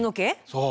そう。